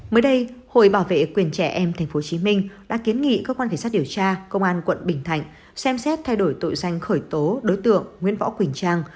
mới đây hội bảo vệ quyền trẻ em tp hcm đã kiến nghị cơ quan cảnh sát điều tra công an quận bình thạnh xem xét thay đổi tội danh khởi tố đối tượng nguyễn võ quỳnh trang